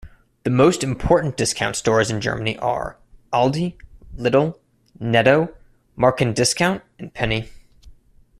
The most important discount stores in Germany are Aldi, Lidl, Netto Marken-Discount and Penny.